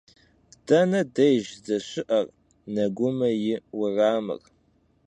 Dene dêjj zdeşı'er Negumem yi vueramır?